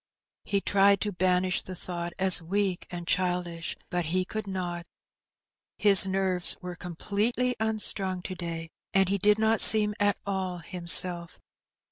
He tried to banish the thought as weak and childish, but he could not; his nerves were completely unstrung to day, and he did not seem at all himself.